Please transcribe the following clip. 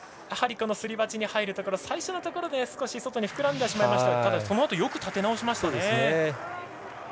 やはりすり鉢に入る最初のところで少し外に膨らんでしまいましたがただ、そのあとよく立て直しましたね。